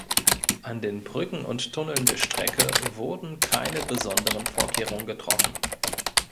An den Brücken und Tunneln der Strecke wurden keine besonderen Vorkehrungen getroffen.